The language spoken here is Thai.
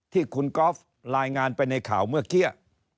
ที่คุณก๊อฟรายงานไปในข่าวเมื่อกี้